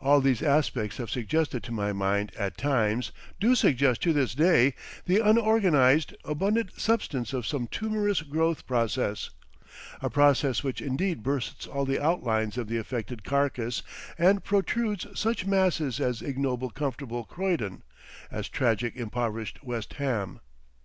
All these aspects have suggested to my mind at times, do suggest to this day, the unorganised, abundant substance of some tumorous growth process, a process which indeed bursts all the outlines of the affected carcass and protrudes such masses as ignoble comfortable Croydon, as tragic impoverished West Ham.